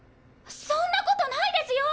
そんなことないですよ！